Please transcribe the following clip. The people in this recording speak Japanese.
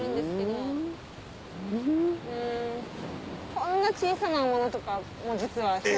こんな小さなものとかも実は。